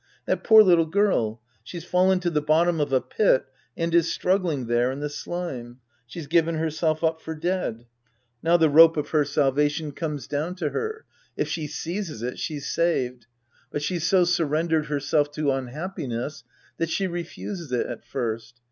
That poor little girl ! She's fallen to the bottom of a pit and is struggling there in the slime. She's given herself up for dead. Now the rope of her salvation 190 The Priest and His Disciples Act V comes down to her. If she seizes it, she's saved. But she's so surrendered hei'self to unhappiness that she refuses it at first.